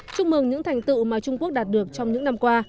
chúc mừng những thành tựu mà trung quốc đạt được trong những năm qua